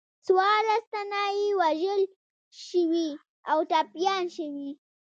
څوارلس تنه یې وژل شوي او ټپیان شوي.